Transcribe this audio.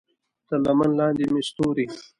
تر لمن لاندې مې ستوري